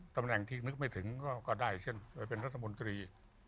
ตำแหน่งที่นึกไม่ถึงก็ได้เช่นเคยเป็นรัฐมนตรี